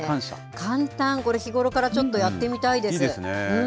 簡単、これ日頃からちょっとやってみたいです。